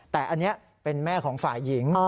แต่อันนี้เป็นแม่ของฝ่ายหญิง